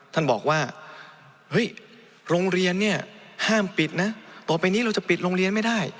ท่านบอกว่าเฮ้ยโรงเรียนเนี่ยห้ามปิดนะต่อไปนี้เราจะปิดโรงเรียนไม่ได้